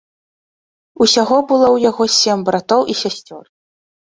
Усяго было ў яго сем братоў і сясцёр.